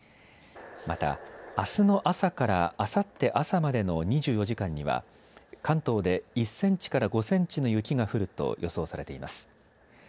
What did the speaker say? また、あすの朝からあさって朝までの２４時間には関東で１センチから５センチの雪が降ると予想されています。